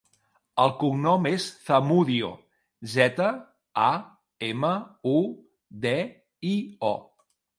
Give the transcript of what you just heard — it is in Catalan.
El cognom és Zamudio: zeta, a, ema, u, de, i, o.